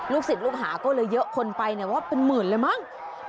ศิษย์ลูกหาก็เลยเยอะคนไปว่าเป็นหมื่นเลยมั้ง